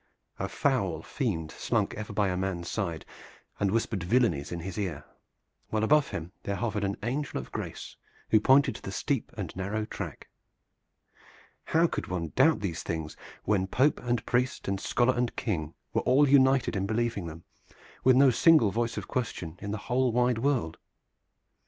A foul fiend slunk ever by a man's side and whispered villainies in his ear, while above him there hovered an angel of grace who pointed to the steep and narrow track. How could one doubt these things, when Pope and priest and scholar and King were all united in believing them, with no single voice of question in the whole wide world?